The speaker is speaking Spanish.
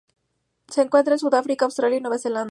Se encuentran en Sudáfrica, Australia y Nueva Zelanda.